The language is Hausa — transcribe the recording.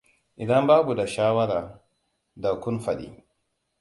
Idan baku da shawara, da kun fadi.